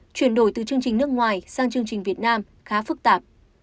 chuyển đổi từ chương trình nước ngoài sang chương trình việt nam khá phức tạp